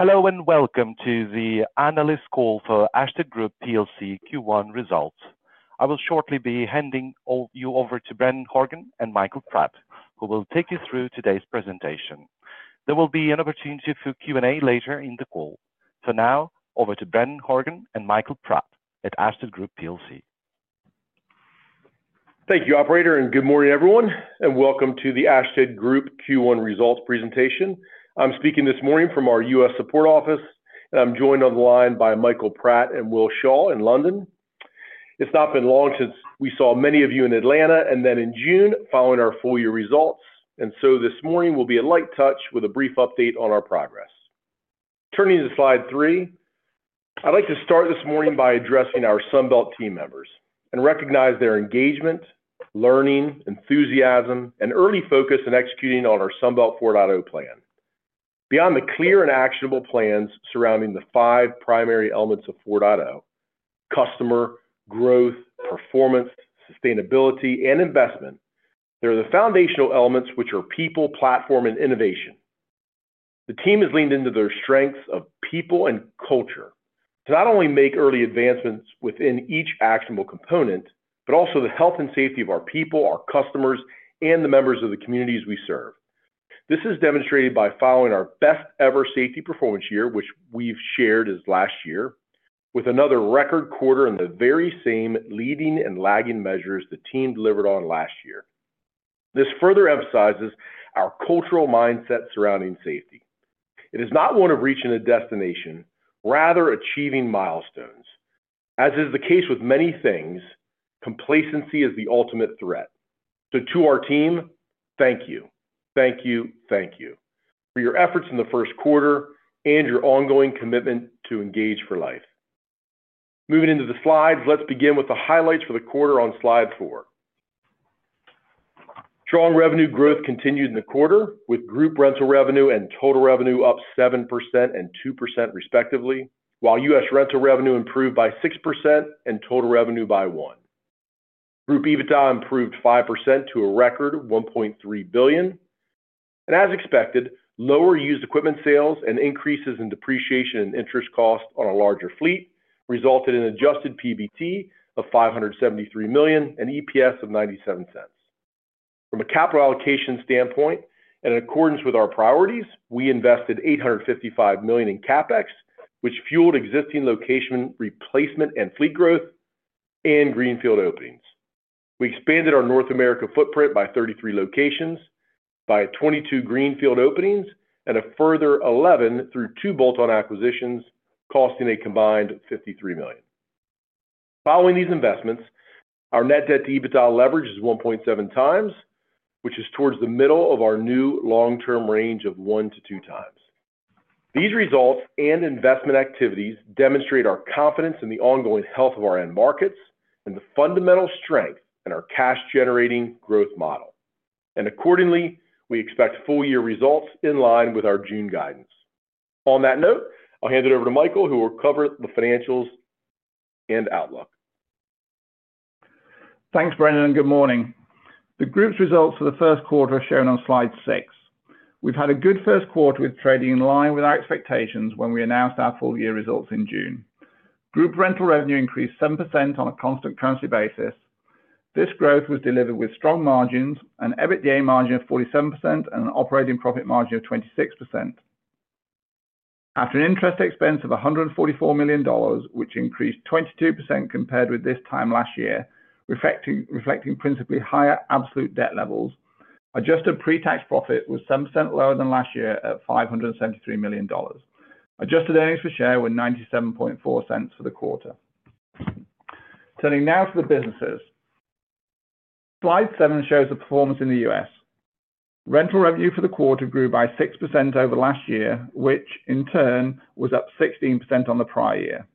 Hello, and welcome to the Analyst Call for Ashtead Group PLC Q1 Results. I will shortly be handing you over to Brendan Horgan and Michael Pratt, who will take you through today's presentation. There will be an opportunity for Q&A later in the call. For now, over to Brendan Horgan and Michael Pratt at Ashtead Group PLC. Thank you, operator, and good morning everyone, and welcome to the Ashtead Group Q1 results presentation. I'm speaking this morning from our U.S. support office, and I'm joined on the line by Michael Pratt and Will Shaw in London. It's not been long since we saw many of you in Atlanta and then in June, following our full year results, and so this morning will be a light touch with a brief update on our progress. Turning to slide 3, I'd like to start this morning by addressing our Sunbelt team members and recognize their engagement, learning, enthusiasm, and early focus in executing on our Sunbelt 4.0 plan. Beyond the clear and actionable plans surrounding the five primary elements of 4.0: customer, growth, performance, sustainability, and investment, there are the foundational elements, which are people, platform, and innovation. The team has leaned into their strengths of people and culture to not only make early advancements within each actionable component, but also the health and safety of our people, our customers, and the members of the communities we serve. This is demonstrated by following our best ever safety performance year, which we've shared as last year, with another record quarter in the very same leading and lagging measures the team delivered on last year. This further emphasizes our cultural mindset surrounding safety. It is not one of reaching a destination, rather achieving milestones. As is the case with many things, complacency is the ultimate threat. So to our team, thank you, thank you, thank you for your efforts in the first quarter and your ongoing commitment to engage for life. Moving into the slides, let's begin with the highlights for the quarter on slide 4. Strong revenue growth continued in the quarter, with group rental revenue and total revenue up 7% and 2%, respectively, while U.S. rental revenue improved by 6% and total revenue by 1%. Group EBITDA improved 5% to a record $1.3 billion. And as expected, lower used equipment sales and increases in depreciation and interest costs on a larger fleet resulted in adjusted PBT of $573 million and EPS of 97 pence. From a capital allocation standpoint, and in accordance with our priorities, we invested $855 million in CapEx, which fueled existing location replacement and fleet growth in greenfield openings. We expanded our North America footprint by 33 locations, by 22 greenfield openings, and a further 11 through 2 bolt-on acquisitions, costing a combined $53 million. Following these investments, our Net Debt to EBITDA leverage is 1.7x, which is towards the middle of our new long-term range of 1x to 2x. These results and investment activities demonstrate our confidence in the ongoing health of our end markets and the fundamental strength in our cash-generating growth model, and accordingly, we expect full-year results in line with our June guidance. On that note, I'll hand it over to Michael, who will cover the financials and outlook. Thanks, Brendan, and good morning. The group's results for the first quarter are shown on slide 6. We've had a good first quarter with trading in line with our expectations when we announced our full-year results in June. Group rental revenue increased 7% on a constant currency basis. This growth was delivered with strong margins and EBITDA margin of 47% and an operating profit margin of 26%. After an interest expense of $144 million, which increased 22% compared with this time last year, reflecting principally higher absolute debt levels, adjusted pre-tax profit was 7% lower than last year at $573 million. Adjusted earnings per share were $0.974 for the quarter. Turning now to the businesses. Slide 7 shows the performance in the U.S. Rental revenue for the quarter grew by 6% over last year, which in turn was up 16% on the prior year.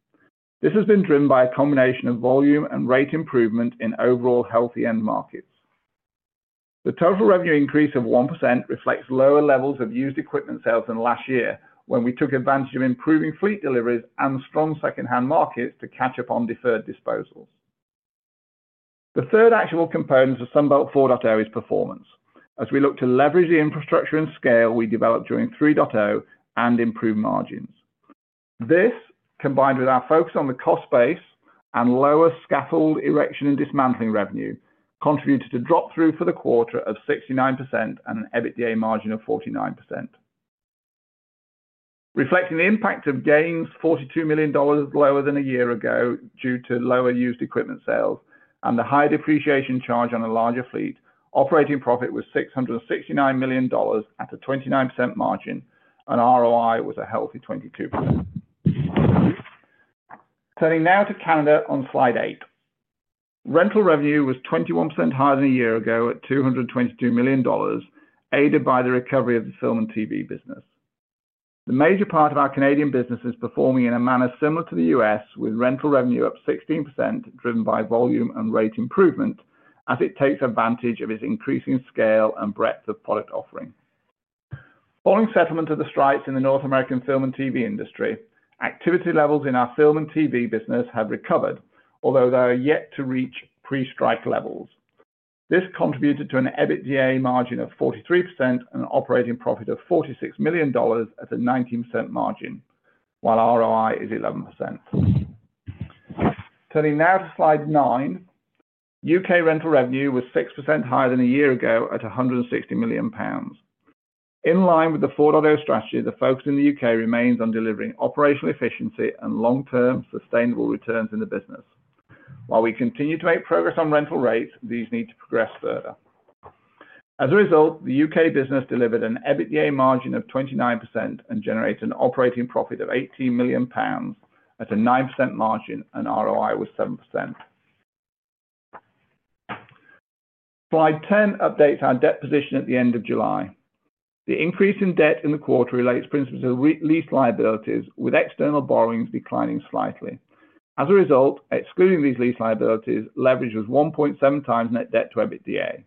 This has been driven by a combination of volume and rate improvement in overall healthy end markets. The total revenue increase of 1% reflects lower levels of used equipment sales than last year, when we took advantage of improving fleet deliveries and strong secondhand markets to catch up on deferred disposals. The third actual component is the Sunbelt 4.0's performance. As we look to leverage the infrastructure and scale we developed during 3.0 and improve margins. This, combined with our focus on the cost base and lower scaffold erection and dismantling revenue, contributed to drop through for the quarter of 69% and an EBITDA margin of 49%. Reflecting the impact of gains, $42 million lower than a year ago due to lower used equipment sales and the higher depreciation charge on a larger fleet, operating profit was $669 million at a 29% margin, and ROI was a healthy 22%. Turning now to Canada on slide 8. Rental revenue was 21% higher than a year ago at $222 million, aided by the recovery of the Film and TV business. The major part of our Canadian business is performing in a manner similar to the U.S., with rental revenue up 16%, driven by volume and rate improvement, as it takes advantage of its increasing scale and breadth of product offering. Following settlement of the strikes in the North American film and TV industry, activity levels in our film and TV business have recovered, although they are yet to reach pre-strike levels. This contributed to an EBITDA margin of 43% and an operating profit of $46 million at a 19% margin, while ROI is 11%. Turning now to slide 9, U.K. rental revenue was 6% higher than a year ago at 160 million pounds. In line with the 4.0 strategy, the focus in the UK remains on delivering operational efficiency and long-term sustainable returns in the business. While we continue to make progress on rental rates, these need to progress further. As a result, the U.K. business delivered an EBITDA margin of 29% and generated an operating profit of 18 million pounds at a 9% margin, and ROI was 7%. Slide 10 updates our debt position at the end of July. The increase in debt in the quarter relates principally to lease liabilities, with external borrowings declining slightly. As a result, excluding these lease liabilities, leverage was 1.7x net debt to EBITDA.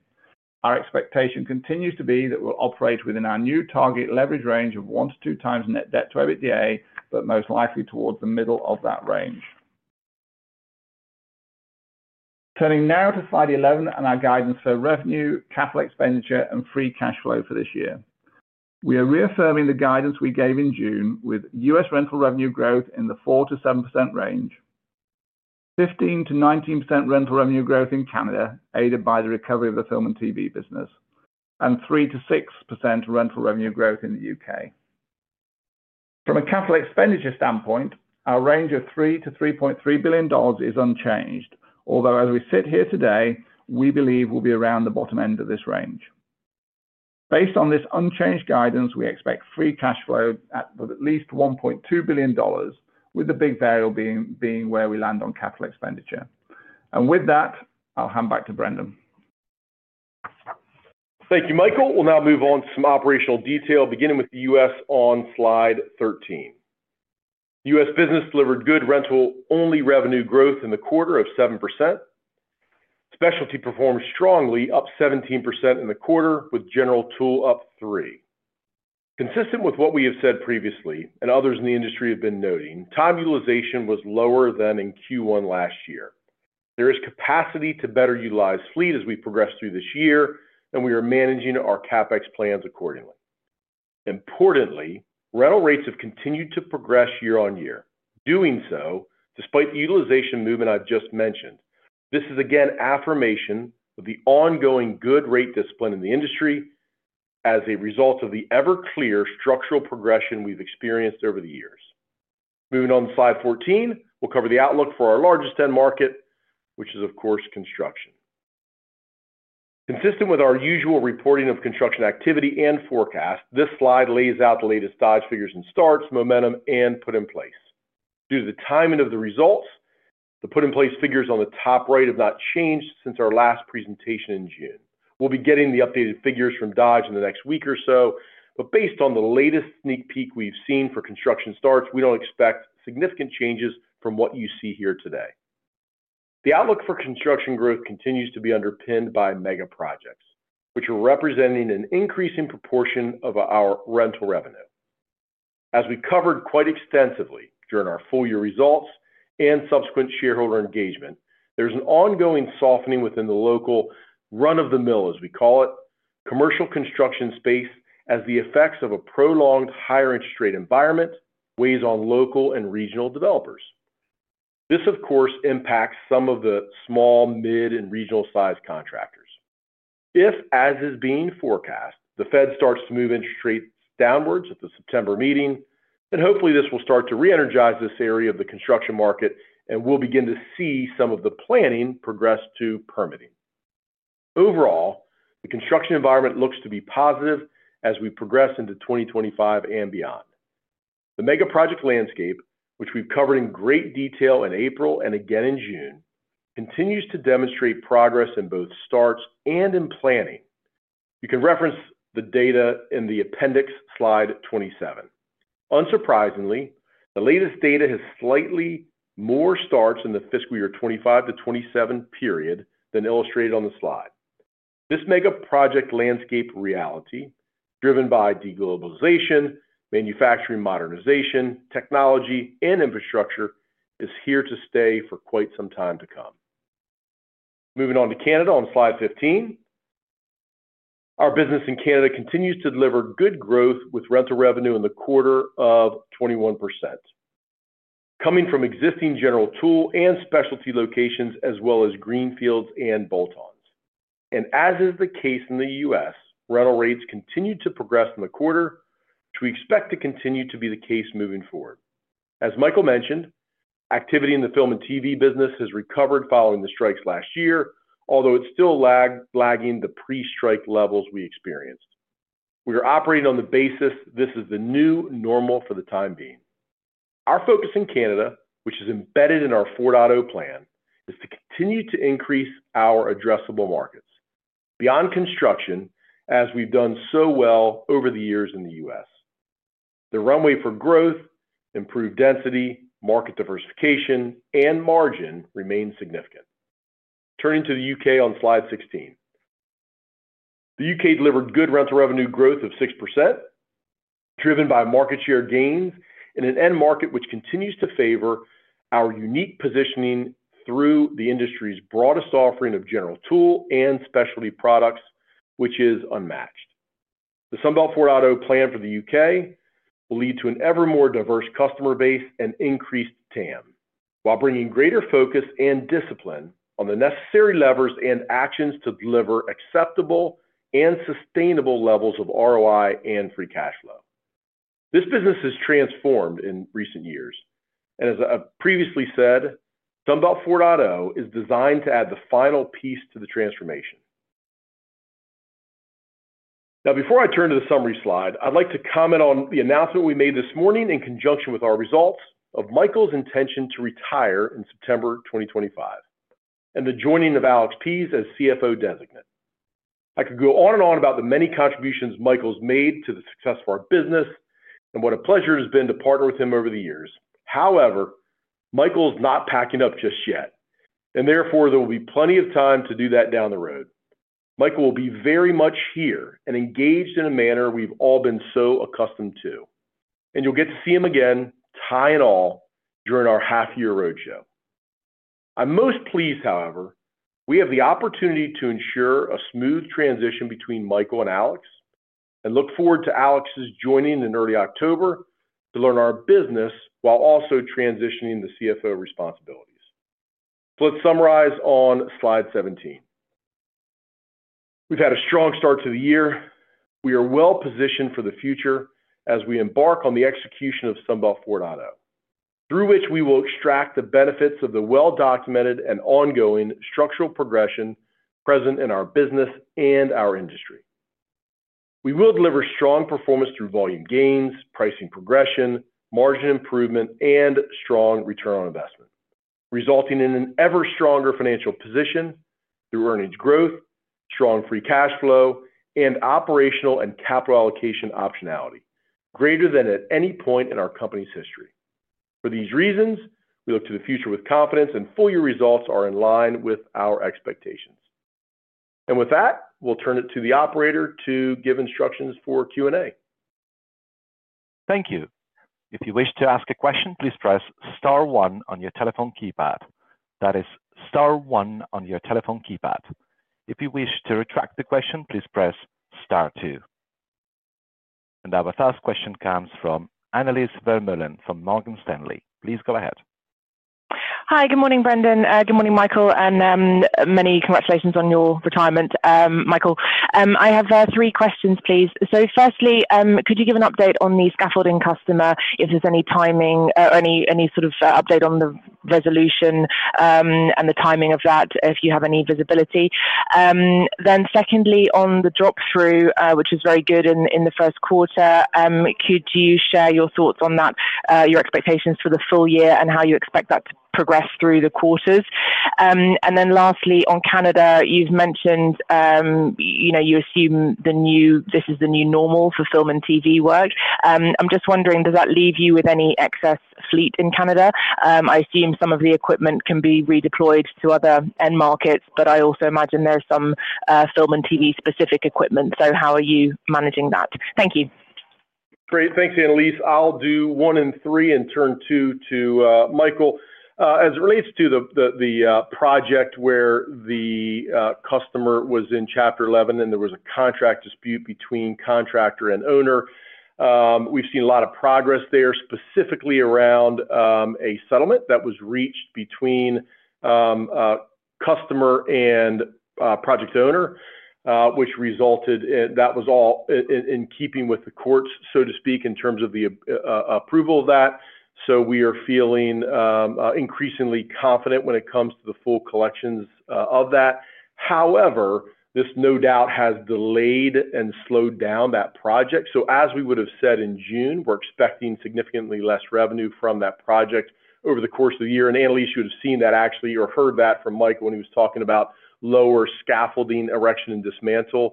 Our expectation continues to be that we'll operate within our new target leverage range of 1x to 2x net debt to EBITDA, but most likely towards the middle of that range. Turning now to slide 11 and our guidance for revenue, capital expenditure, and free cash flow for this year. We are reaffirming the guidance we gave in June with U.S. rental revenue growth in the 4%-7% range, 15%-19% rental revenue growth in Canada, aided by the recovery of the film and TV business, and 3%-6% rental revenue growth in the U.K. From a capital expenditure standpoint, our range of $3 billion-$3.3 billion is unchanged, although as we sit here today, we believe we'll be around the bottom end of this range. Based on this unchanged guidance, we expect free cash flow with at least $1.2 billion, with the big variable being where we land on capital expenditure. And with that, I'll hand back to Brendan. Thank you, Michael. We'll now move on to some operational detail, beginning with the U.S. on slide 13. U.S. business delivered good rental-only revenue growth in the quarter of 7%. Specialty performed strongly, up 17% in the quarter, with General Tool up 3%. Consistent with what we have said previously, and others in the industry have been noting, time utilization was lower than in Q1 last year. There is capacity to better utilize fleet as we progress through this year, and we are managing our CapEx plans accordingly. Importantly, rental rates have continued to progress year on year, doing so despite the utilization movement I've just mentioned. This is, again, affirmation of the ongoing good rate discipline in the industry as a result of the ever clearer structural progression we've experienced over the years. Moving on to slide 14, we'll cover the outlook for our largest end market, which is, of course, construction. Consistent with our usual reporting of construction activity and forecast, this slide lays out the latest Dodge figures and starts, momentum, and put in place. Due to the timing of the results, the put in place figures on the top right have not changed since our last presentation in June. We'll be getting the updated figures from Dodge in the next week or so, but based on the latest sneak peek we've seen for construction starts, we don't expect significant changes from what you see here today. The outlook for construction growth continues to be underpinned by mega projects, which are representing an increasing proportion of our rental revenue. As we covered quite extensively during our full year results and subsequent shareholder engagement, there's an ongoing softening within the local run-of-the-mill, as we call it, commercial construction space, as the effects of a prolonged higher interest rate environment weighs on local and regional developers. This, of course, impacts some of the small, mid, and regional-sized contractors. If, as is being forecast, the Fed starts to move interest rates downwards at the September meeting, then hopefully this will start to re-energize this area of the construction market, and we'll begin to see some of the planning progress to permitting. Overall, the construction environment looks to be positive as we progress into 2025 and beyond. The mega project landscape, which we've covered in great detail in April and again in June, continues to demonstrate progress in both starts and in planning. You can reference the data in the appendix, slide 27. Unsurprisingly, the latest data has slightly more starts in the fiscal year 2025 to 2027 period than illustrated on the slide. This mega project landscape reality, driven by de-globalization, manufacturing modernization, technology, and infrastructure, is here to stay for quite some time to come. Moving on to Canada on slide 15. Our business in Canada continues to deliver good growth, with rental revenue in the quarter of 21%, coming from existing General Tool and specialty locations, as well as greenfields and bolt-ons. As is the case in the U.S., rental rates continued to progress in the quarter, which we expect to continue to be the case moving forward. As Michael mentioned, activity in the film and TV business has recovered following the strikes last year, although it's still lagging the pre-strike levels we experienced. We are operating on the basis this is the new normal for the time being. Our focus in Canada, which is embedded in our 4.0 plan, is to continue to increase our addressable markets beyond construction, as we've done so well over the years in the U.S. The runway for growth, improved density, market diversification, and margin remain significant. Turning to the U.K. on slide 16. The UK delivered good rental revenue growth of 6%, driven by market share gains in an end market, which continues to favor our unique positioning through the industry's broadest offering of General Tool and specialty products, which is unmatched. The Sunbelt 4.0 plan for the U.K. will lead to an ever more diverse customer base and increased TAM, while bringing greater focus and discipline on the necessary levers and actions to deliver acceptable and sustainable levels of ROI and free cash flow. This business has transformed in recent years, and as I've previously said, Sunbelt 4.0 is designed to add the final piece to the transformation. Now, before I turn to the summary slide, I'd like to comment on the announcement we made this morning in conjunction with our results of Michael's intention to retire in September 2025, and the joining of Alex Pease as CFO designate. I could go on and on about the many contributions Michael's made to the success of our business, and what a pleasure it has been to partner with him over the years. However, Michael is not packing up just yet, and therefore, there will be plenty of time to do that down the road. Michael will be very much here and engaged in a manner we've all been so accustomed to, and you'll get to see him again, tie it all, during our half-year roadshow. I'm most pleased. However, we have the opportunity to ensure a smooth transition between Michael and Alex, and look forward to Alex's joining in early October to learn our business while also transitioning the CFO responsibilities. So let's summarize on slide 17. We've had a strong start to the year. We are well-positioned for the future as we embark on the execution of Sunbelt 4.0, through which we will extract the benefits of the well-documented and ongoing structural progression present in our business and our industry. We will deliver strong performance through volume gains, pricing progression, margin improvement, and strong return on investment, resulting in an ever stronger financial position through earnings growth, strong free cash flow, and operational and capital allocation optionality, greater than at any point in our company's history. For these reasons, we look to the future with confidence, and full year results are in line with our expectations. And with that, we'll turn it to the operator to give instructions for Q&A. Thank you. If you wish to ask a question, please press star one on your telephone keypad. That is star one on your telephone keypad. If you wish to retract the question, please press star two. And our first question comes from Annelies Vermeulen, from Morgan Stanley. Please go ahead. Hi, good morning, Brendan. Good morning, Michael, and many congratulations on your retirement, Michael. I have three questions, please. So firstly, could you give an update on the scaffolding customer, if there's any timing or any sort of update on the resolution, and the timing of that, if you have any visibility? Then secondly, on the drop-through, which is very good in the first quarter, could you share your thoughts on that, your expectations for the full year and how you expect that to progress through the quarters? And then lastly, on Canada, you've mentioned, you know, you assume the new--this is the new normal for film and TV work. I'm just wondering, does that leave you with any excess fleet in Canada? I assume some of the equipment can be redeployed to other end markets, but I also imagine there's some film and TV-specific equipment. So how are you managing that? Thank you. Great. Thanks, Annelies. I'll do one and three, and turn two to Michael. As it relates to the project where the customer was in Chapter 11, and there was a contract dispute between contractor and owner, we've seen a lot of progress there, specifically around a settlement that was reached between a customer and project owner, which resulted in. That was all in keeping with the courts, so to speak, in terms of the approval of that. So we are feeling increasingly confident when it comes to the full collections of that. However, this no doubt has delayed and slowed down that project. So as we would have said in June, we're expecting significantly less revenue from that project over the course of the year. Annelise, you would have seen that actually or heard that from Michael when he was talking about lower scaffolding, erection, and dismantling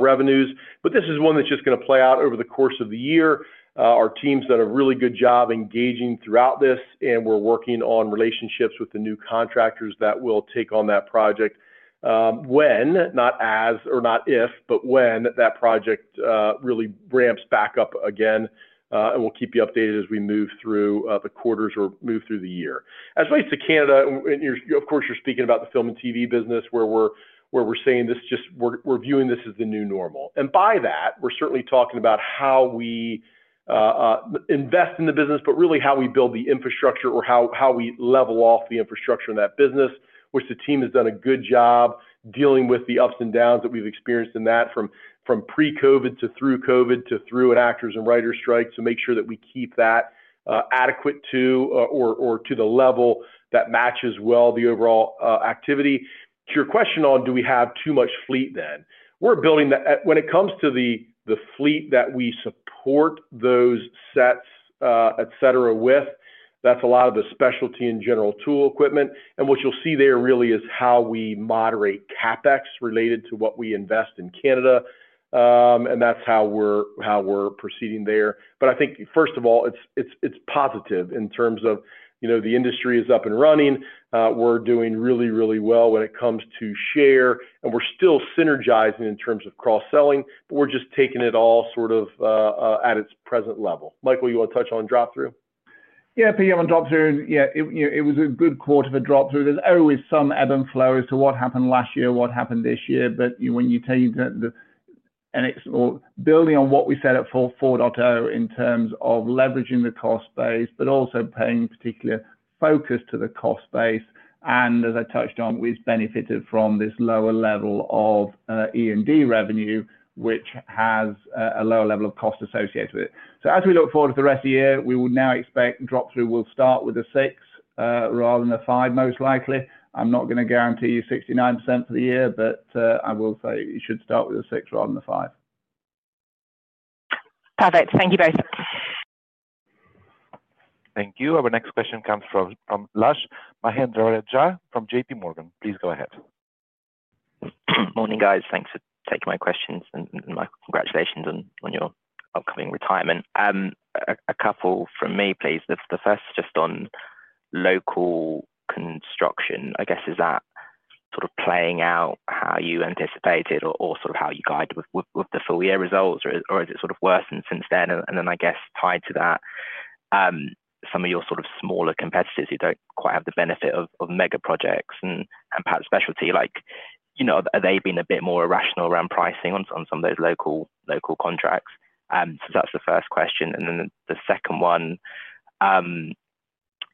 revenues. But this is one that's just gonna play out over the course of the year. Our team's done a really good job engaging throughout this, and we're working on relationships with the new contractors that will take on that project, when, not as or not if, but when that project really ramps back up again. And we'll keep you updated as we move through the quarters or move through the year. As it relates to Canada, and you're of course, you're speaking about the film and TV business, where we're saying this just, we're viewing this as the new normal. And by that, we're certainly talking about how we invest in the business, but really how we build the infrastructure or how we level off the infrastructure in that business, which the team has done a good job dealing with the ups and downs that we've experienced in that, from pre-COVID to through COVID, to through an actors and writers strike, to make sure that we keep that adequate to or to the level that matches well the overall activity. To your question on, do we have too much fleet then? We're building the. When it comes to the fleet that we support those sets, et cetera, with, that's a lot of the specialty and General Tool equipment. And what you'll see there really is how we moderate CapEx related to what we invest in Canada. And that's how we're proceeding there. But I think, first of all, it's positive in terms of, you know, the industry is up and running. We're doing really, really well when it comes to share, and we're still synergizing in terms of cross-selling, but we're just taking it all sort of at its present level. Michael, you want to touch on drop-through? Yeah, on drop-through, yeah, it, you know, it was a good quarter for drop-through. There's always some ebb and flow as to what happened last year, what happened this year. But building on what we said at 4.0, in terms of leveraging the cost base, but also paying particular focus to the cost base, and as I touched on, we've benefited from this lower level of E&D revenue, which has a lower level of cost associated with it. So as we look forward to the rest of the year, we would now expect drop-through will start with a 6 rather than a 5, most likely. I'm not gonna guarantee you 69% for the year, but I will say it should start with a 6 rather than a 5. Perfect. Thank you, both. Thank you. Our next question comes from Lush Mahendrarajah, from JPMorgan. Please go ahead. Morning, guys. Thanks for taking my questions, and my congratulations on your upcoming retirement. A couple from me, please. The first just on local construction. I guess, is that sort of playing out how you anticipated or sort of how you guide with the full year results? Or is it sort of worsened since then? And then, I guess, tied to that, some of your sort of smaller competitors who don't quite have the benefit of mega projects and perhaps specialty like, you know, have they been a bit more irrational around pricing on some of those local contracts? So that's the first question. And then the second one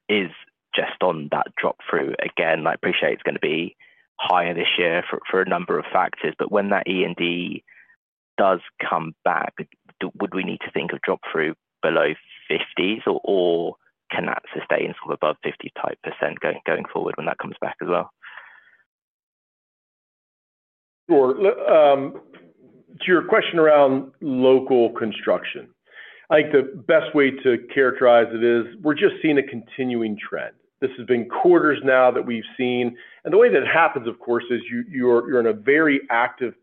is just on that drop-through. Again, I appreciate it's gonna be higher this year for a number of factors, but when that E&D does come back, would we need to think of drop-through below 50s, or can that sustain sort of above 50% type going forward when that comes back as well? Sure. To your question around local construction, I think the best way to characterize it is we're just seeing a continuing trend. This has been quarters now that we've seen, and the way that it happens, of course, is you're in a very active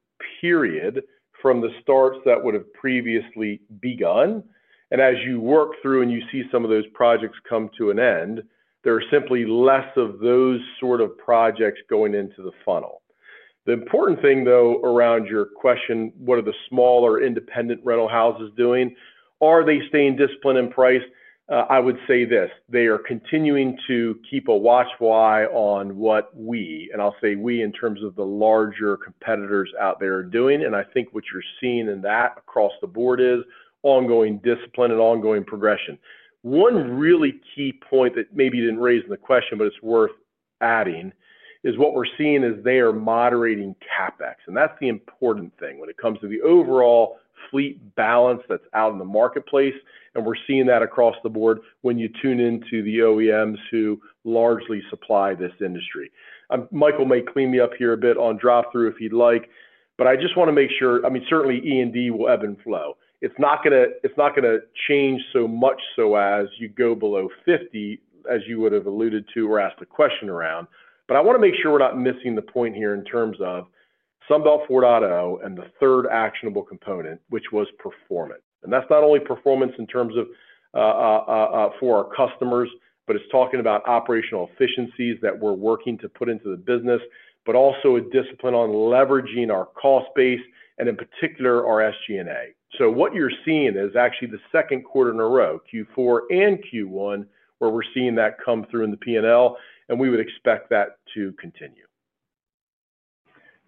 period from the starts that would have previously begun, and as you work through and you see some of those projects come to an end, there are simply less of those sort of projects going into the funnel. The important thing, though, around your question: What are the smaller, independent rental houses doing? Are they staying disciplined in price? I would say this: They are continuing to keep a watchful eye on what we, and I'll say we, in terms of the larger competitors out there, are doing, and I think what you're seeing in that across the board is ongoing discipline and ongoing progression. One really key point that maybe you didn't raise in the question, but it's worth adding, is what we're seeing is they are moderating CapEx, and that's the important thing when it comes to the overall fleet balance that's out in the marketplace, and we're seeing that across the board when you tune into the OEMs who largely supply this industry. Michael may clean me up here a bit on drop through, if you'd like, but I just want to make sure. I mean, certainly, E&D will ebb and flow. It's not gonna, it's not gonna change so much so as you go below 50, as you would have alluded to or asked a question around. But I wanna make sure we're not missing the point here in terms of Sunbelt 4.0 and the third actionable component, which was performance. And that's not only performance in terms of for our customers, but it's talking about operational efficiencies that we're working to put into the business, but also a discipline on leveraging our cost base and in particular, our SG&A. So what you're seeing is actually the second quarter in a row, Q4 and Q1, where we're seeing that come through in the P&L, and we would expect that to continue.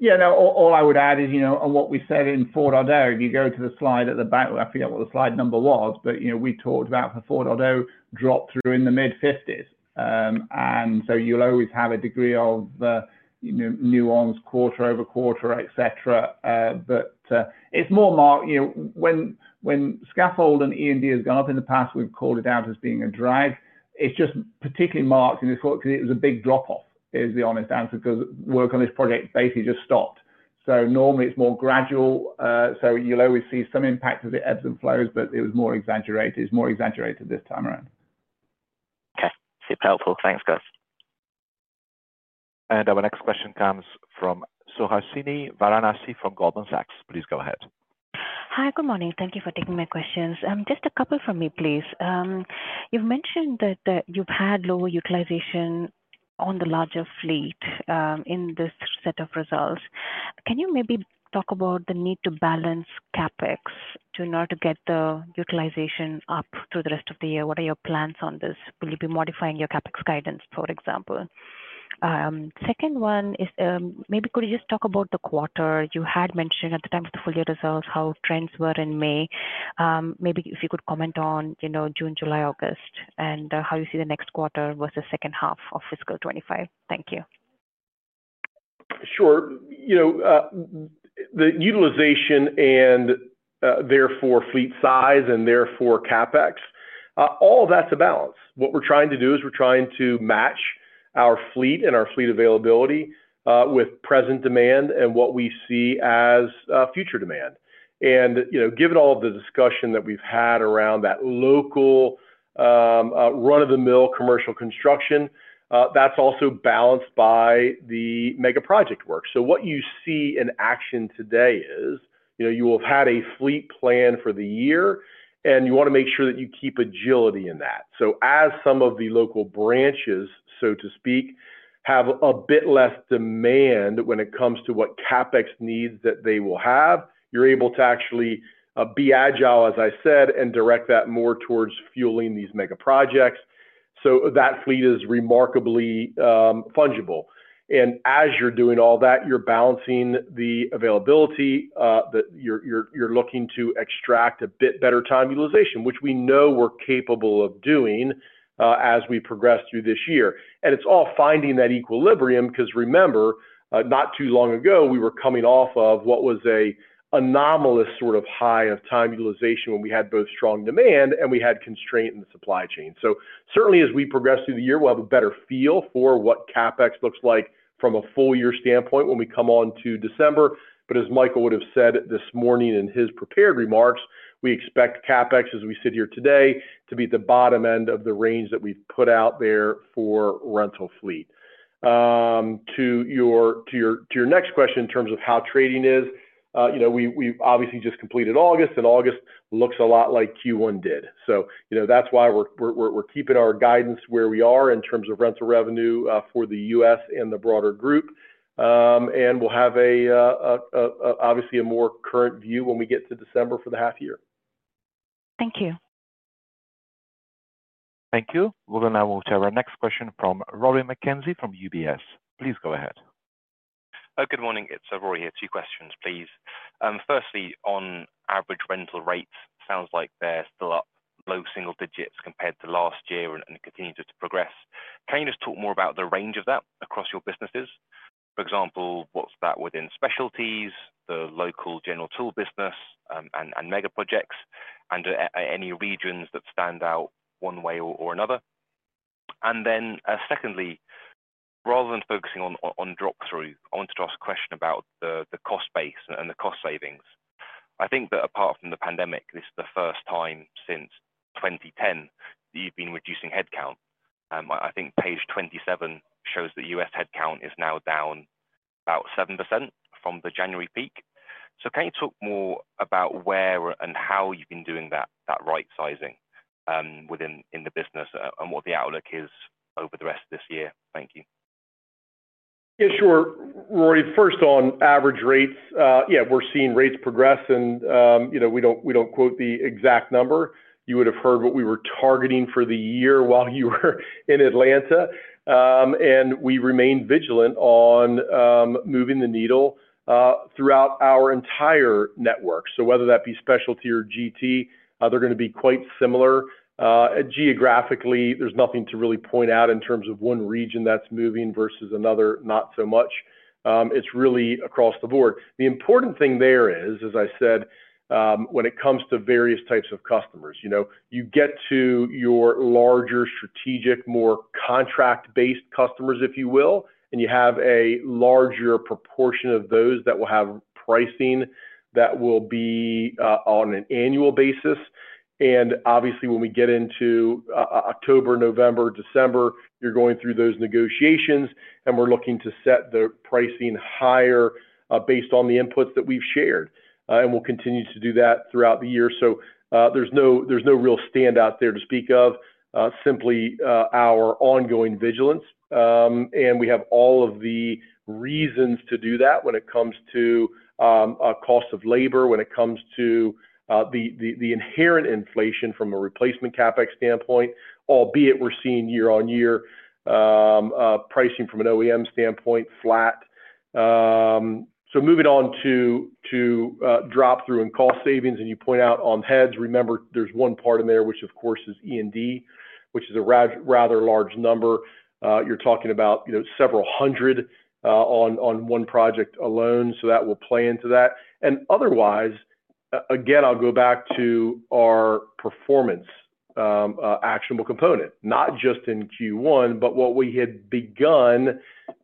Yeah. No, all I would add is, you know, on what we said in 4.0, if you go to the slide at the back, I forget what the slide number was, but, you know, we talked about the 4.0 drop-through in the mid-50s. And so you'll always have a degree of nuance, quarter over quarter, et cetera. But it's more marked. You know, when scaffold and E& D has gone up in the past, we've called it out as being a drag. It's just particularly marked, and it's what? Because it was a big drop-off, is the honest answer, because work on this project basically just stopped. So normally, it's more gradual. So you'll always see some impact as it ebbs and flows, but it was more exaggerated. It's more exaggerated this time around. Okay. Super helpful. Thanks, guys. Our next question comes from Suhasini Varanasi from Goldman Sachs. Please go ahead. Hi, good morning. Thank you for taking my questions. Just a couple from me, please. You've mentioned that you've had lower utilization on the larger fleet in this set of results. Can you maybe talk about the need to balance CapEx to not get the utilization up through the rest of the year? What are your plans on this? Will you be modifying your CapEx guidance, for example? Second one is, maybe could you just talk about the quarter? You had mentioned at the time of the full year results, how trends were in May. Maybe if you could comment on, you know, June, July, August, and how you see the next quarter versus second half of fiscal 2025. Thank you. Sure. You know, the utilization and, therefore, fleet size and therefore CapEx, all of that's a balance. What we're trying to do is match our fleet and our fleet availability, with present demand and what we see as, future demand. And, you know, given all of the discussion that we've had around that local, run-of-the-mill commercial construction, that's also balanced by the mega project work. So what you see in action today is, you know, you have had a fleet plan for the year, and you want to make sure that you keep agility in that. So as some of the local branches, so to speak, have a bit less demand when it comes to what CapEx needs that they will have, you're able to actually be agile, as I said, and direct that more towards fueling these mega projects. So that fleet is remarkably fungible. And as you're doing all that, you're balancing the availability that you're looking to extract a bit better time utilization, which we know we're capable of doing as we progress through this year. And it's all finding that equilibrium, because remember, not too long ago, we were coming off of what was an anomalous sort of high of time utilization, when we had both strong demand and we had constraint in the supply chain. Certainly, as we progress through the year, we'll have a better feel for what CapEx looks like from a full year standpoint when we come on to December. But as Michael would have said this morning in his prepared remarks, we expect CapEx, as we sit here today, to be at the bottom end of the range that we've put out there for rental fleet. To your next question, in terms of how trading is, you know, we've obviously just completed August, and August looks a lot like Q1 did. So, you know, that's why we're keeping our guidance where we are in terms of rental revenue for the U.S. and the broader group. And we'll have obviously a more current view when we get to December for the half year. Thank you. Thank you. Well, then now we'll have our next question from Rory McKenzie, from UBS. Please go ahead. Oh, good morning. It's Rory here. Two questions, please. Firstly, on average rental rates, sounds like they're still up low single digits compared to last year and continues to progress. Can you just talk more about the range of that across your businesses? For example, what's that within specialties, the local General Tool business, and mega projects, and any regions that stand out one way or another? And then, secondly, rather than focusing on drop-through, I wanted to ask a question about the cost base and the cost savings. I think that apart from the pandemic, this is the first time since 2010 that you've been reducing headcount. I think page 27 shows the U.S. headcount is now down about 7% from the January peak. Can you talk more about where and how you've been doing that, that right sizing, within the business and what the outlook is over the rest of this year? Thank you. Yeah, sure. Rory, first on average rates, yeah, we're seeing rates progress and, you know, we don't quote the exact number. You would have heard what we were targeting for the year while you were in Atlanta. And we remain vigilant on moving the needle throughout our entire network. So whether that be specialty or GT, they're going to be quite similar. Geographically, there's nothing to really point out in terms of one region that's moving versus another, not so much. It's really across the board. The important thing there is, as I said, when it comes to various types of customers, you know, you get to your larger strategic, more contract-based customers, if you will, and you have a larger proportion of those that will have pricing that will be on an annual basis. Obviously, when we get into October, November, December, you're going through those negotiations, and we're looking to set the pricing higher, based on the inputs that we've shared. We'll continue to do that throughout the year. There's no real standout there to speak of, simply our ongoing vigilance. We have all of the reasons to do that when it comes to a cost of labor, when it comes to the inherent inflation from a replacement CapEx standpoint, albeit we're seeing year-on-year pricing from an OEM standpoint, flat. Moving on to drop-through and cost savings, and you point out on heads. Remember, there's one part in there, which of course, is E&D, which is a rather large number. You're talking about, you know, several hundred on one project alone, so that will play into that. Otherwise, again, I'll go back to our performance, actionable component, not just in Q1, but what we had begun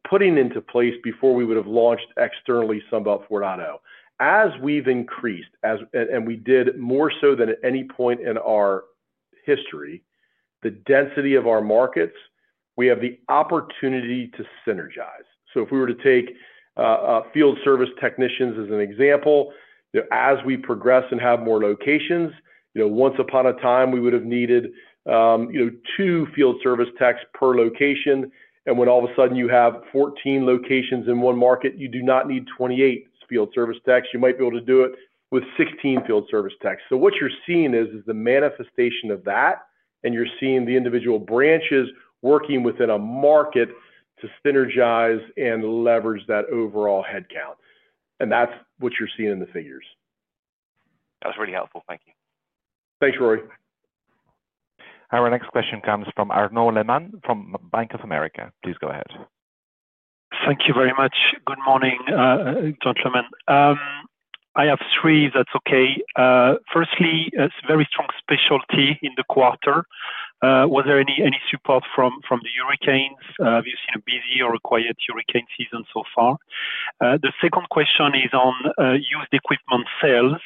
putting into place before we would have launched externally, Sunbelt 4.0. As we've increased, and we did more so than at any point in our history, the density of our markets, we have the opportunity to synergize. So if we were to take a field service technicians as an example, as we progress and have more locations, you know, once upon a time, we would have needed, you know, two field service techs per location, and when all of a sudden you have 14 locations in one market, you do not need 28 field service techs. You might be able to do it with 16 field service techs. So what you're seeing is the manifestation of that, and you're seeing the individual branches working within a market to synergize and leverage that overall headcount. And that's what you're seeing in the figures. That was really helpful. Thank you. Thanks, Rory. Our next question comes from Arnaud Lehmann, from Bank of America. Please go ahead. Thank you very much. Good morning, gentlemen. I have three, if that's okay. Firstly, a very strong specialty in the quarter. Was there any support from the hurricanes? Have you seen a busy or a quiet hurricane season so far? The second question is on used equipment sales.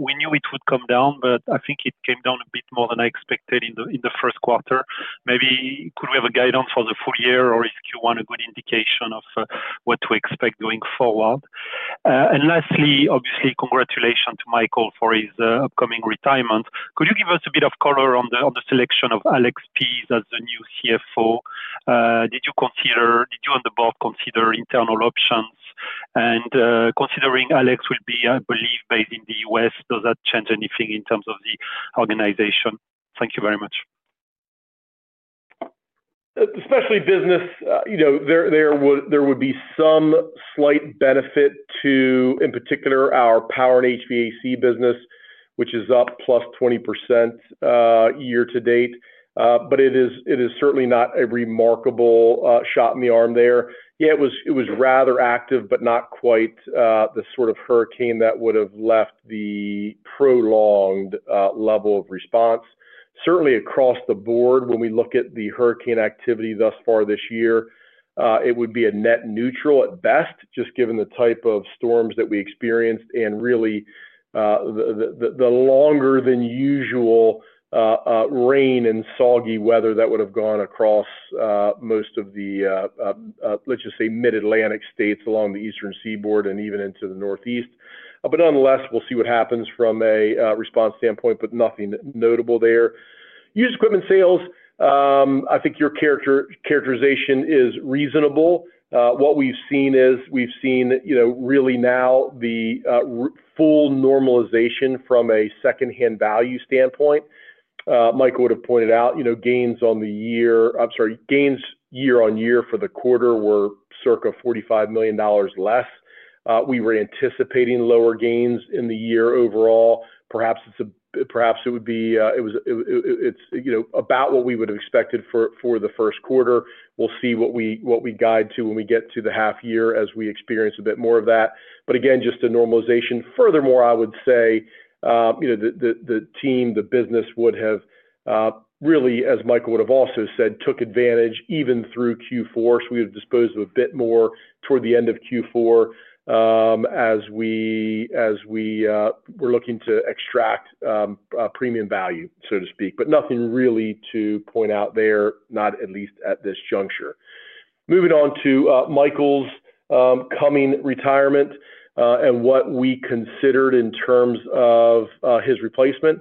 We knew it would come down, but I think it came down a bit more than I expected in the first quarter. Maybe could we have a guidance for the full year, or if you want, a good indication of what to expect going forward? And lastly, obviously, congratulations to Michael for his upcoming retirement. Could you give us a bit of color on the selection of Alex Pease as the new CFO? Did you and the board consider internal options? Considering Alex will be, I believe, based in the U.S., does that change anything in terms of the organization? Thank you very much. Especially business, you know, there would be some slight benefit to, in particular, our power and HVAC business, which is up +20%, year to date. But it is certainly not a remarkable shot in the arm there. Yeah, it was rather active, but not quite the sort of hurricane that would have left the prolonged level of response. Certainly, across the board, when we look at the hurricane activity thus far this year, it would be a net neutral at best, just given the type of storms that we experienced and really the longer than usual rain and soggy weather that would have gone across most of the, let's just say, Mid-Atlantic states along the Eastern Seaboard and even into the Northeast. But nonetheless, we'll see what happens from a response standpoint, but nothing notable there. Used equipment sales, I think your characterization is reasonable. What we've seen is, we've seen, you know, really now the full normalization from a secondhand value standpoint. Michael would have pointed out, you know, gains on the year. I'm sorry, gains year on year for the quarter were circa $45 million less. We were anticipating lower gains in the year overall. Perhaps it would be, it was, it, it, it's, you know, about what we would have expected for the first quarter. We'll see what we guide to when we get to the half year, as we experience a bit more of that, but again, just a normalization. Furthermore, I would say, you know, the team, the business would have really, as Michael would have also said, took advantage even through Q4. So we have disposed of a bit more toward the end of Q4, as we were looking to extract a premium value, so to speak, but nothing really to point out there, not at least at this juncture. Moving on to Michael's coming retirement and what we considered in terms of his replacement.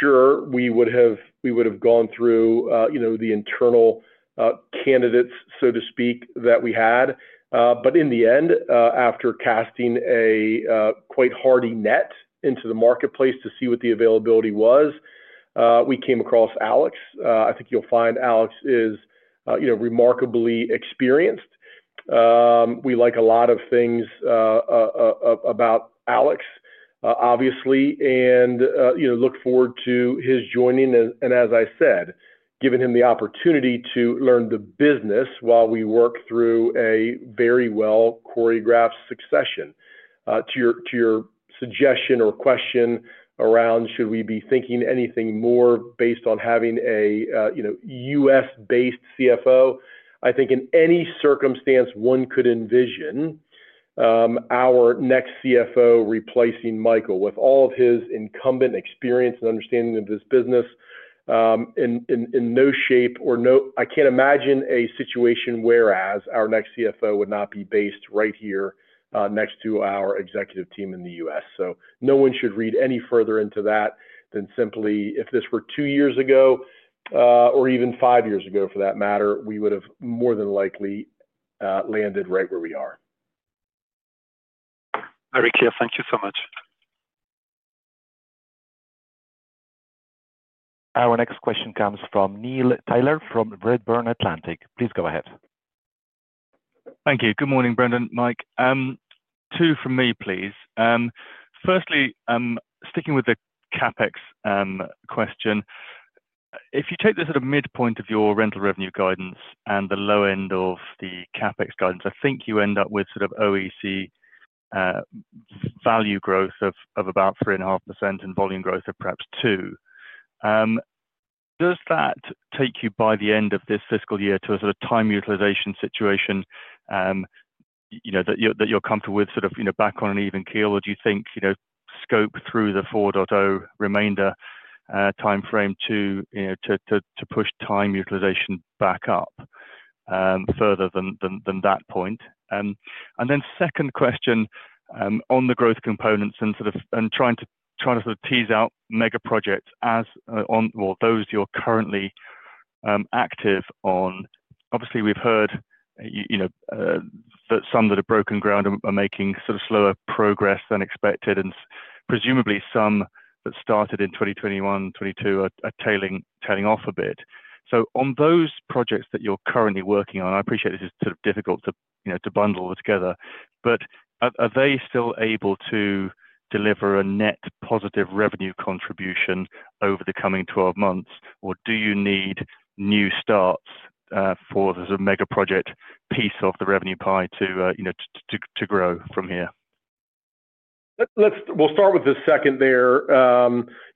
Sure, we would have gone through, you know, the internal candidates, so to speak, that we had. But in the end, after casting a quite wide net into the marketplace to see what the availability was, we came across Alex. I think you'll find Alex is, you know, remarkably experienced. We like a lot of things about Alex, obviously, and, you know, look forward to his joining. As I said, giving him the opportunity to learn the business while we work through a very well-choreographed succession. To your suggestion or question around, should we be thinking anything more based on having a, you know, U.S.-based CFO? I think in any circumstance, one could envision, our next CFO replacing Michael with all of his incumbent experience and understanding of this business. In no shape or no--I can't imagine a situation whereas our next CFO would not be based right here, next to our executive team in the U.S. So no one should read any further into that than simply, if this were two years ago, or even five years ago, for that matter, we would have more than likely landed right where we are. Very clear. Thank you so much. Our next question comes from Neil Tyler, from Redburn Atlantic. Please go ahead. Thank you. Good morning, Brendan, Mike. Two from me, please. Firstly, sticking with the CapEx question, if you take the sort of midpoint of your rental revenue guidance and the low end of the CapEx guidance, I think you end up with sort of OEC value growth of about 3.5% and volume growth of perhaps 2%. Does that take you by the end of this fiscal year to a sort of time utilization situation, you know, that you're comfortable with, sort of, you know, back on an even keel? Or do you think, you know, scope through the 4.0 remainder timeframe to, you know, to push time utilization back up further than that point? And then second question, on the growth components and sort of and trying to sort of tease out mega projects as on or those you're currently active on. Obviously, we've heard, you know, that some that have broken ground are making sort of slower progress than expected, and presumably some that started in 2021, 2022 are tailing off a bit. So on those projects that you're currently working on, I appreciate this is sort of difficult to, you know, to bundle all together, but are they still able to deliver a net positive revenue contribution over the coming 12 months? Or do you need new starts for the sort of mega project piece of the revenue pie to, you know, to grow from here? Let's start with the second there.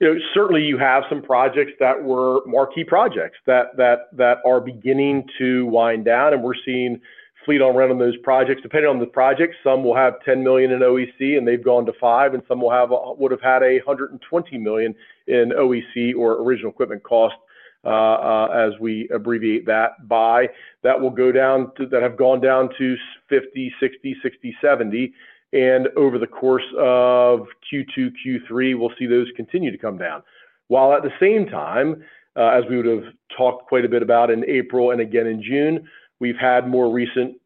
You know, certainly you have some projects that were marquee projects that are beginning to wind down, and we're seeing fleet on rent on those projects. Depending on the project, some will have $10 million in OEC, and they've gone to $5 million, and some would have had $120 million in OEC, or original equipment cost, as we abbreviate that by. That will go down to that have gone down to say $50 million, $60 million, $70 million, and over the course of Q2, Q3, we'll see those continue to come down. While at the same time, as we would have talked quite a bit about in April and again in June, we've had more recent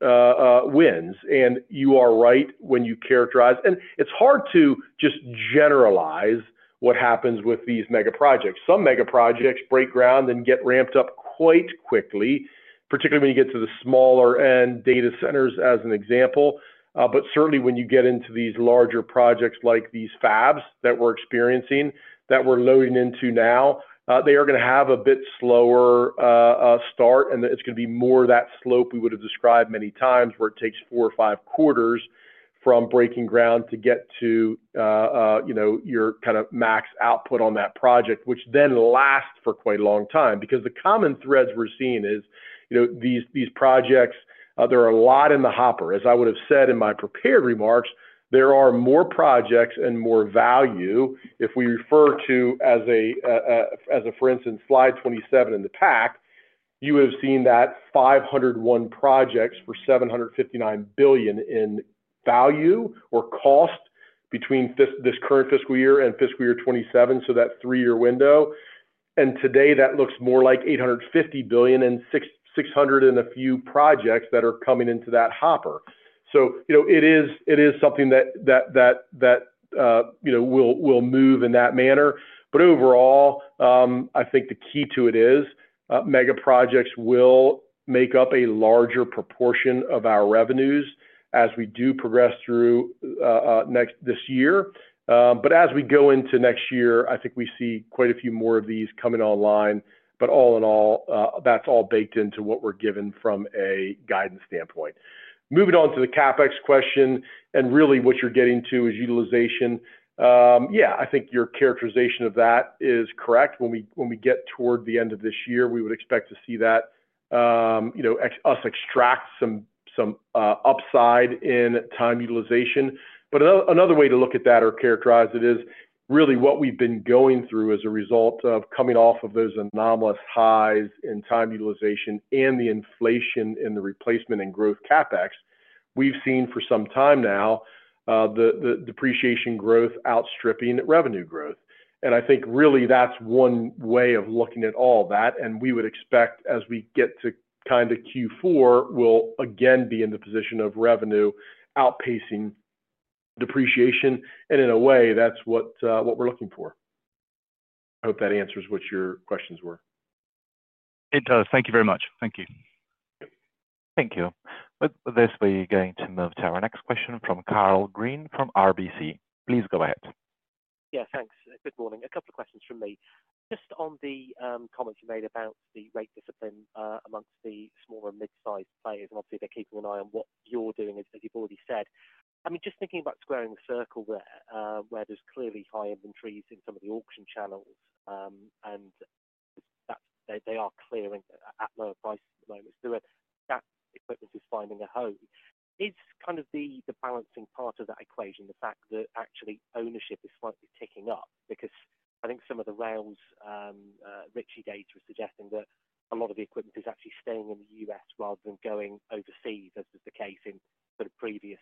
wins. And you are right when you characterize. And it's hard to just generalize what happens with these mega projects. Some mega projects break ground and get ramped up quite quickly, particularly when you get to the smaller end, data centers, as an example, but certainly, when you get into these larger projects, like these fabs that we're experiencing, that we're loading into now, they are gonna have a bit slower start, and it's gonna be more of that slope we would have described many times, where it takes four or five quarters from breaking ground to get to, you know, your kind of max output on that project, which then lasts for quite a long time. Because the common threads we're seeing is, you know, these projects, there are a lot in the hopper. As I would have said in my prepared remarks, there are more projects and more value. If we refer to, as a for instance, slide 27 in the pack, you have seen that 501 projects for $759 billion in value or cost between this current fiscal year and fiscal year 2027, so that three-year window. Today, that looks more like $850 billion and 600 and a few projects that are coming into that hopper, so you know, it is something that you know will move in that manner. But overall, I think the key to it is mega projects will make up a larger proportion of our revenues as we do progress through this year, but as we go into next year, I think we see quite a few more of these coming online. But all in all, that's all baked into what we're given from a guidance standpoint. Moving on to the CapEx question, and really what you're getting to is utilization. Yeah, I think your characterization of that is correct. When we get toward the end of this year, we would expect to see that, you know, expect us to extract some upside in time utilization. Another way to look at that or characterize it is, really what we've been going through as a result of coming off of those anomalous highs in time utilization and the inflation in the replacement and growth CapEx, we've seen for some time now, the depreciation growth outstripping revenue growth. And I think really that's one way of looking at all that, and we would expect as we get to kind of Q4, we'll again be in the position of revenue outpacing depreciation. And in a way, that's what, what we're looking for. I hope that answers what your questions were. It does. Thank you very much. Thank you. Thank you. With this, we're going to move to our next question from Karl Green, from RBC. Please go ahead. Yeah, thanks. Good morning. A couple of questions from me. Just on the comments you made about the rate discipline amongst the smaller and mid-sized players, and obviously they're keeping an eye on what you're doing, as you've already said. I mean, just thinking about squaring the circle where there's clearly high inventories in some of the auction channels, and they are clearing at lower prices at the moment. So that equipment is finding a home. Is kind of the balancing part of that equation, the fact that actually ownership is slightly ticking up? Because I think some of the Rouse Ritchie data is suggesting that a lot of the equipment is actually staying in the U.S. rather than going overseas, as was the case in sort of previous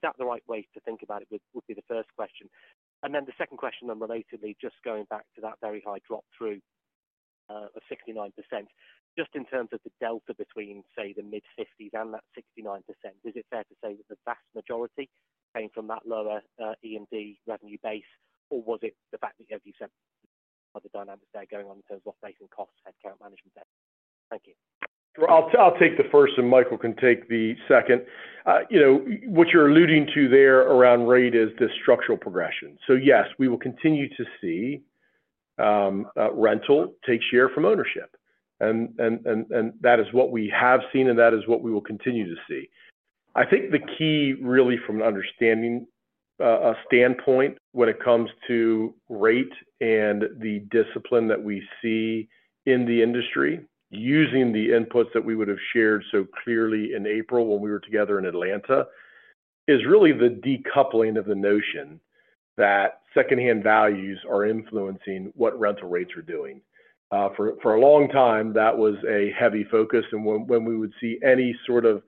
downturn. So is that the right way to think about it? Would be the first question. And then the second question, unrelatedly, just going back to that very high drop-through of 69%. Just in terms of the delta between, say, the mid-50s and that 69%, is it fair to say that the vast majority came from that lower E&D revenue base, or was it the fact that, as you said, other dynamics there going on in terms of operating costs and current management? Thank you. I'll take the first, and Michael can take the second. You know, what you're alluding to there around rate is the structural progression. So yes, we will continue to see rental take share from ownership. And that is what we have seen, and that is what we will continue to see. I think the key, really from an understanding standpoint when it comes to rate and the discipline that we see in the industry, using the inputs that we would have shared so clearly in April when we were together in Atlanta, is really the decoupling of the notion that second-hand values are influencing what rental rates are doing. For a long time, that was a heavy focus, and when we would see any sort of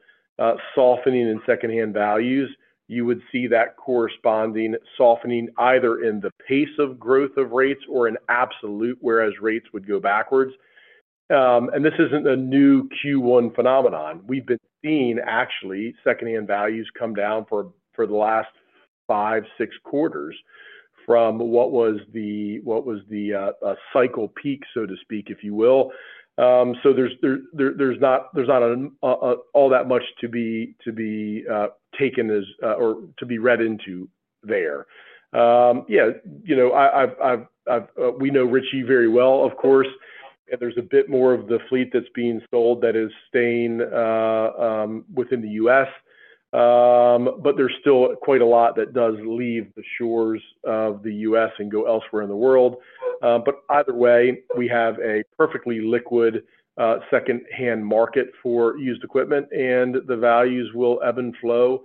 softening in second-hand values, you would see that corresponding softening either in the pace of growth of rates or in absolute, whereas rates would go backwards, and this isn't a new Q1 phenomenon. We've been seeing, actually, second-hand values come down for the last five, six quarters from what was the cycle peak, so to speak, if you will, so there's not all that much to be taken as or to be read into there. Yeah, you know, I've--We know Ritchie very well, of course, and there's a bit more of the fleet that's being sold that is staying within the U.S. But there's still quite a lot that does leave the shores of the U.S. and go elsewhere in the world. But either way, we have a perfectly liquid, second hand market for used equipment, and the values will ebb and flow,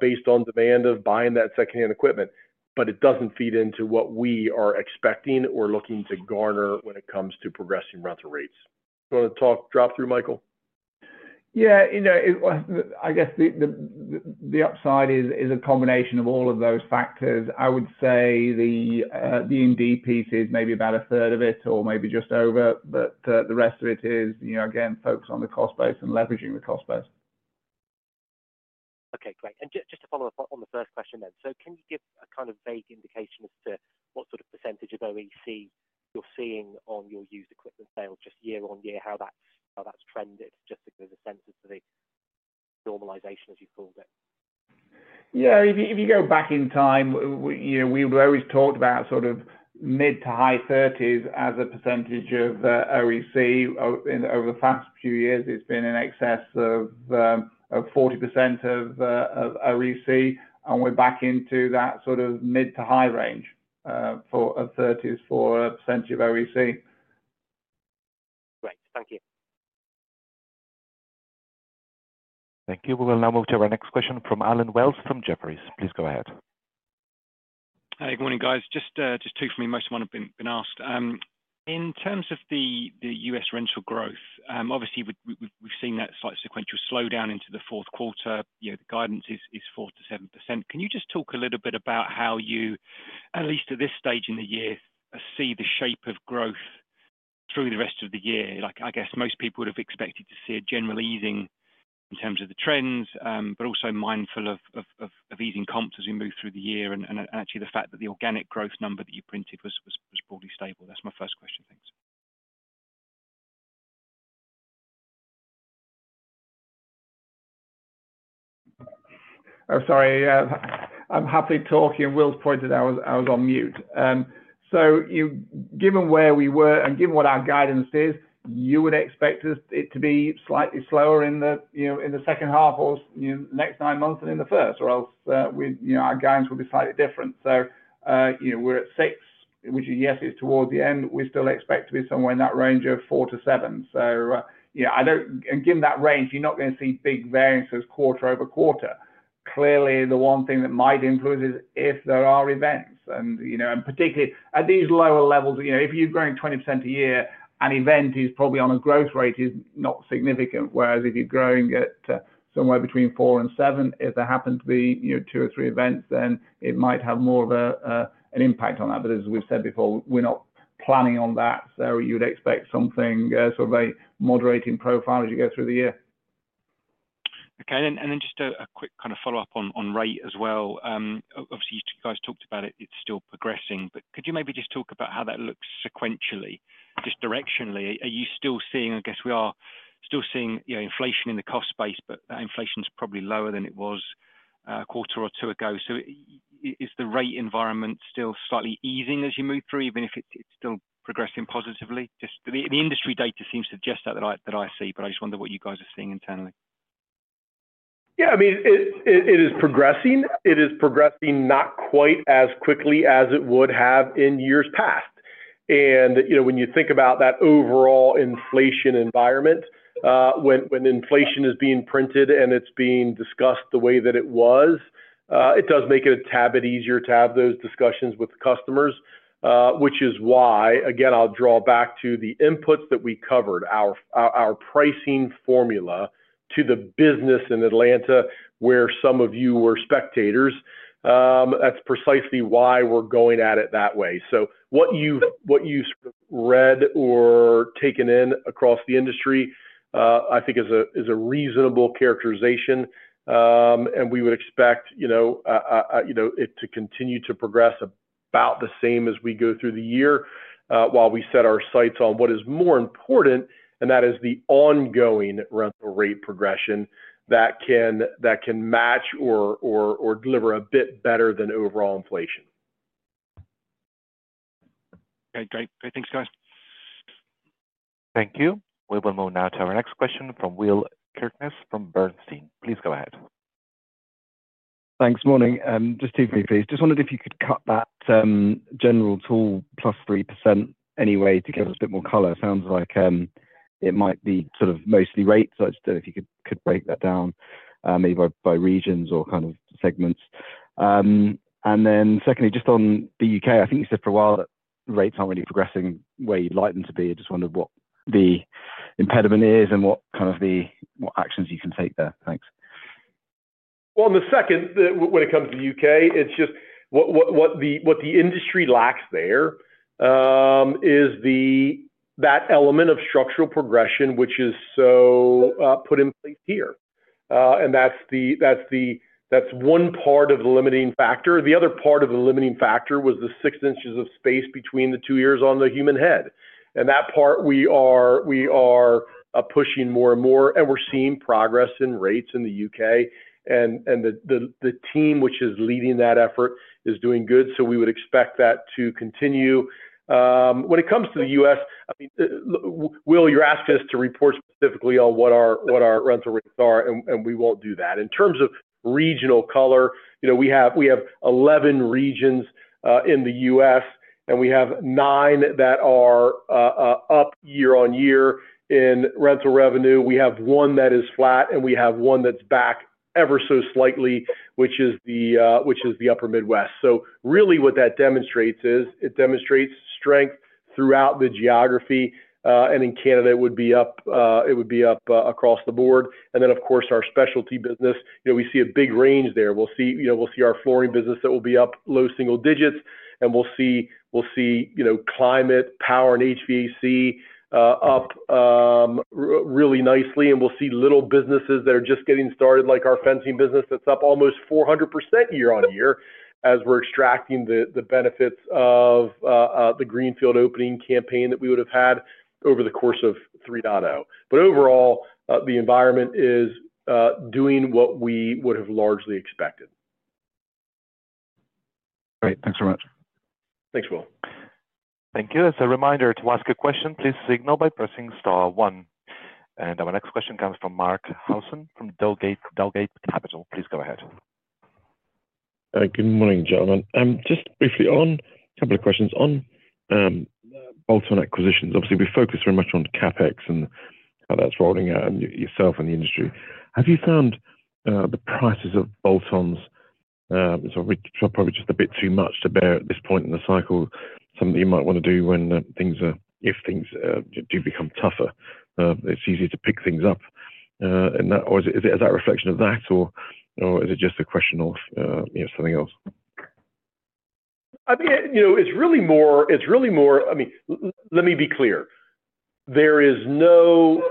based on demand of buying that second hand equipment. But it doesn't feed into what we are expecting or looking to garner when it comes to progressing rental rates. You wanna talk drop-through, Michael? Yeah, you know, I guess the upside is a combination of all of those factors. I would say the E&D piece is maybe about a third of it or maybe just over, but the rest of it is, you know, again, focused on the cost base and leveraging the cost base. Okay, great. And just to follow up on the first question then. So can you give a kind of vague indication as to what sort of percentage of OEC you're seeing on your used equipment sales, just year on year, how that's trended, just to get a sense of the normalization, as you called it? Yeah, if you go back in time, we, you know, we've always talked about sort of mid- to high 30s as a percentage of OEC, and over the past few years, it's been in excess of 40% of OEC, and we're back into that sort of mid- to high range for 30%s of OEC. Great. Thank you. Thank you. We will now move to our next question from Allen Wells from Jefferies. Please go ahead. Hey, good morning, guys. Just two for me. Most of them have been asked. In terms of the U.S. rental growth, obviously, we've seen that slight sequential slowdown into the fourth quarter. You know, the guidance is 4%-7%. Can you just talk a little bit about how you, at least at this stage in the year, see the shape of growth through the rest of the year? Like, I guess most people would have expected to see a general easing in terms of the trends, but also mindful of easing comps as we move through the year, and actually, the fact that the organic growth number that you printed was broadly stable. That's my first question. Thanks. Oh, sorry. I'm happily talking, and Will pointed out I was on mute. So, given where we were and given what our guidance is, you would expect us it to be slightly slower in the, you know, in the second half or, you know, next nine months and in the first, or else, we, you know, our guidance would be slightly different. So, you know, we're at six, which is, yes, is towards the end. We still expect to be somewhere in that range of 4% to 7%. So, yeah, I don't--given that range, you're not gonna see big variances quarter over quarter. Clearly, the one thing that might influence is if there are events and, you know, and particularly at these lower levels, you know, if you're growing 20% a year, an event is probably not significant on a growth rate. Whereas if you're growing at somewhere between 4% and 7%, if there happen to be, you know, two or three events, then it might have more of an impact on that. But as we've said before, we're not planning on that. So you'd expect something sort of a moderating profile as you go through the year. Okay. And then just a quick kind of follow-up on rate as well. Obviously, you guys talked about it, it's still progressing. But could you maybe just talk about how that looks sequentially, just directionally? Are you still seeing? I guess we are still seeing, you know, inflation in the cost base, but that inflation's probably lower than it was, a quarter or two ago. So is the rate environment still slightly easing as you move through, even if it's still progressing positively? Just the industry data seems to suggest that I see, but I just wonder what you guys are seeing internally. Yeah, I mean, it is progressing. It is progressing not quite as quickly as it would have in years past, and you know, when you think about that overall inflation environment, when inflation is being printed and it's being discussed the way that it was, it does make it a tad bit easier to have those discussions with customers. Which is why, again, I'll draw back to the inputs that we covered, our pricing formula to the business in Atlanta, where some of you were spectators. That's precisely why we're going at it that way, so what you sort of read or taken in across the industry, I think is a reasonable characterization. And we would expect, you know, you know, it to continue to progress about the same as we go through the year, while we set our sights on what is more important, and that is the ongoing rental rate progression that can match or deliver a bit better than overall inflation. Okay, great. Great. Thanks, guys. Thank you. We will move now to our next question from Will Kirkness from Bernstein. Please go ahead. Thanks. Morning, just two for you, please. Just wondered if you could cut that General Tool +3% anyway, to give us a bit more color. Sounds like it might be sort of mostly rate, so I just don't know if you could break that down, maybe by regions or kind of segments. And then secondly, just on the U.K., I think you said for a while that rates aren't really progressing where you'd like them to be. I just wondered what the impediment is and what kind of actions you can take there. Thanks. On the second, when it comes to the U.K., it's just what the industry lacks there, is that element of structural progression, which is so put in place here. And that's one part of the limiting factor. The other part of the limiting factor was the 6 inches of space between the two ears on the human head, and that part we are pushing more and more, and we're seeing progress in rates in the U.K. And the team which is leading that effort is doing good, so we would expect that to continue. When it comes to the U.S., I mean, Will, you're asking us to report specifically on what our rental rates are, and we won't do that. In terms of regional color, you know, we have 11 regions in the U.S., and we have nine that are up year on year in rental revenue. We have one that is flat, and we have one that's back ever so slightly, which is the Upper Midwest. So really what that demonstrates is, it demonstrates strength throughout the geography, and in Canada, it would be up across the board. And then, of course, our specialty business, you know, we see a big range there. We'll see, you know, we'll see our flooring business that will be up low single digits, and we'll see, we'll see, you know, climate, power, and HVAC up really nicely, and we'll see little businesses that are just getting started, like our fencing business, that's up almost 400% year on year, as we're extracting the benefits of the greenfield opening campaign that we would have had over the course of 3.0. But overall, the environment is doing what we would have largely expected. Great. Thanks so much. Thanks, Will. Thank you. As a reminder, to ask a question, please signal by pressing star one. And our next question comes from Mark Howson from Dowgate Capital. Please go ahead. Good morning, gentlemen. Just briefly on, A couple of questions. On, bolt-on acquisitions, obviously, we focus very much on CapEx and how that's rolling out and yourself and the industry. Have you found, the prices of bolt-ons, so probably just a bit too much to bear at this point in the cycle, something you might want to do when things are-- if things, do become tougher, it's easier to pick things up, and that--or is it, is that a reflection of that, or, or is it just a question of, you know, something else? I think, you know, it's really more, it's really more. I mean, let me be clear. There is no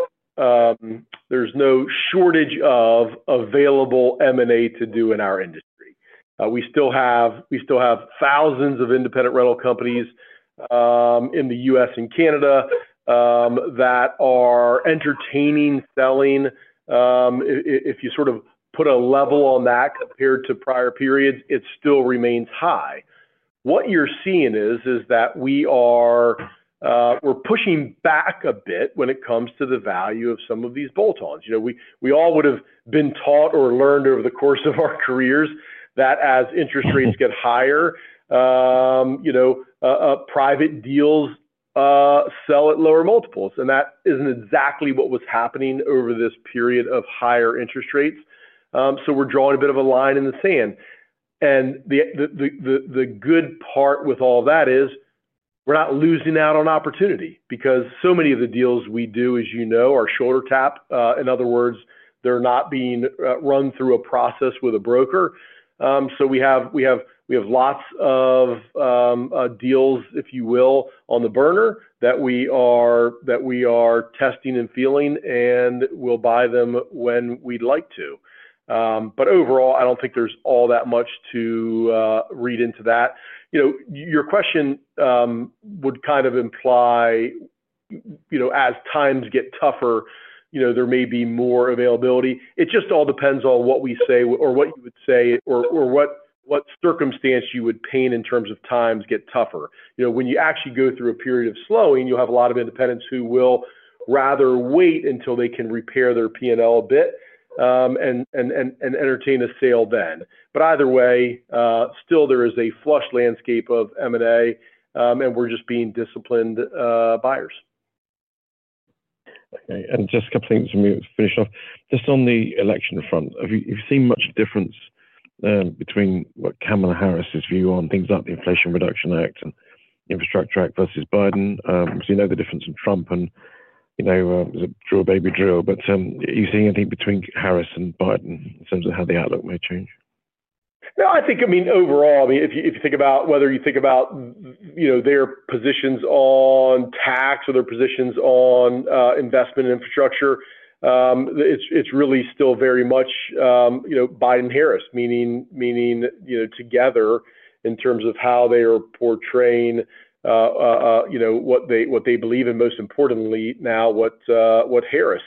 shortage of available M&A to do in our industry. We still have thousands of independent rental companies in the U.S. and Canada that are entertaining selling. If you sort of put a level on that compared to prior periods, it still remains high. What you're seeing is that we are pushing back a bit when it comes to the value of some of these bolt-ons. You know, we all would have been taught or learned over the course of our careers that as interest rates get higher, you know, private deals sell at lower multiples, and that isn't exactly what was happening over this period of higher interest rates. We're drawing a bit of a line in the sand. The good part with all that is, we're not losing out on opportunity, because so many of the deals we do, as you know, are shoulder tap. In other words, they're not being run through a process with a broker. We have lots of deals, if you will, on the burner, that we are testing and feeling, and we'll buy them when we'd like to. Overall, I don't think there's all that much to read into that. You know, your question would kind of imply, you know, as times get tougher, you know, there may be more availability. It just all depends on what we say or what you would say, or what circumstance you would paint in terms of times get tougher. You know, when you actually go through a period of slowing, you'll have a lot of independents who will rather wait until they can repair their P&L a bit, and entertain a sale then. But either way, still there is a flush landscape of M&A, and we're just being disciplined buyers. Okay, and just a couple of things for me to finish off. Just on the election front, have you seen much difference between what Kamala Harris' view on things like the Inflation Reduction Act and Infrastructure Act versus Biden? You know the difference in Trump, and, you know, Drill, baby, drill, but are you seeing anything between Harris and Biden in terms of how the outlook may change? No, I think, I mean, overall, if you, if you think about--whether you think about, you know, their positions on tax or their positions on infrastructure investment, it's really still very much, you know, Biden, Harris. Meaning, you know, together in terms of how they are portraying, you know, what they believe in, most importantly now, what Harris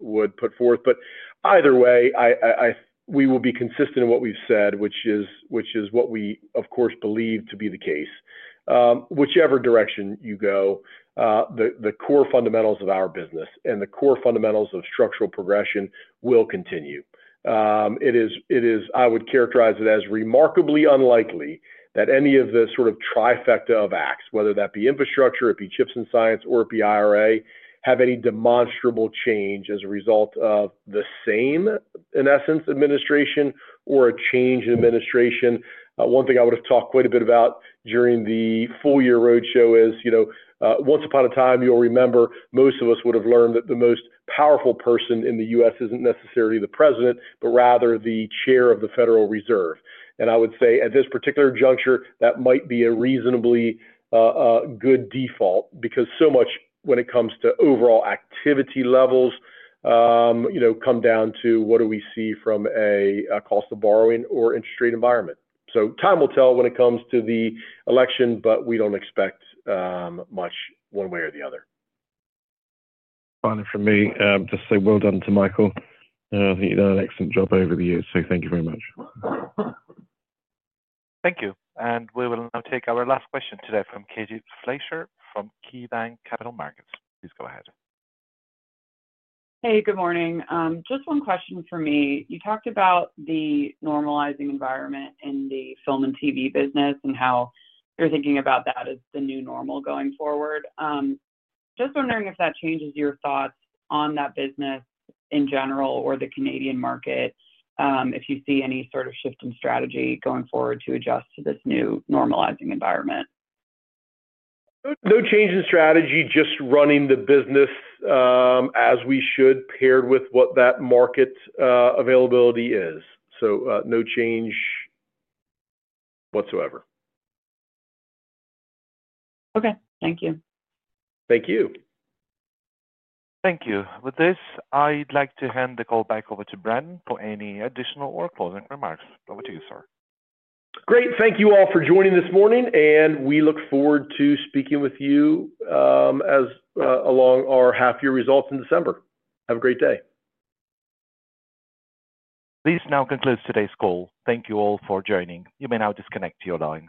would put forth. But either way, I-- we will be consistent in what we've said, which is what we, of course, believe to be the case. Whichever direction you go, the core fundamentals of our business and the core fundamentals of structural progression will continue. It is. I would characterize it as remarkably unlikely that any of the sort of trifecta of acts, whether that be infrastructure, it be CHIPS and Science, or it be IRA, have any demonstrable change as a result of the same, in essence, administration or a change in administration. One thing I would have talked quite a bit about during the full year roadshow is, you know, once upon a time, you'll remember, most of us would have learned that the most powerful person in the U.S. isn't necessarily the president, but rather the chair of the Federal Reserve. I would say, at this particular juncture, that might be a reasonably good default, because so much when it comes to overall activity levels, you know, come down to what do we see from a cost of borrowing or interest rate environment. Time will tell when it comes to the election, but we don't expect much one way or the other. Finally from me, just say well done to Michael. I think you've done an excellent job over the years, so thank you very much. Thank you, and we will now take our last question today from Katie Fleischer from KeyBanc Capital Markets. Please go ahead. Hey, good morning. Just one question for me. You talked about the normalizing environment in the film and TV business and how you're thinking about that as the new normal going forward. Just wondering if that changes your thoughts on that business in general or the Canadian market, if you see any sort of shift in strategy going forward to adjust to this new normalizing environment. No change in strategy, just running the business, as we should, paired with what that market availability is. So, no change whatsoever. Okay. Thank you. Thank you. Thank you. With this, I'd like to hand the call back over to Brendan for any additional or closing remarks. Over to you, sir. Great. Thank you all for joining this morning, and we look forward to speaking with you along our half-year results in December. Have a great day. This now concludes today's call. Thank you all for joining. You may now disconnect your line.